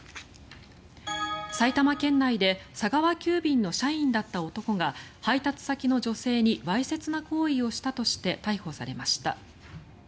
埼玉県内で佐川急便の社員だった男が配達先の女性にわいせつな行為をしたとして逮捕されました。